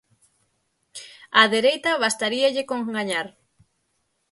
Á dereita bastaríalle con gañar.